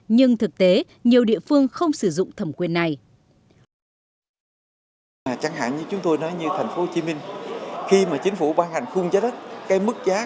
nhưng thực tế nhiều địa phương không sử dụng thẩm quyền này